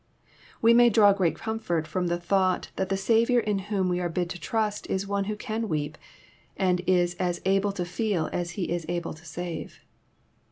We may draw great comfort from the thought that the Saviour in whom we are bid to trust is one who can weep, and is as able to feel as He is able to save.